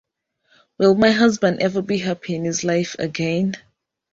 Will my husband ever be happy in his life again?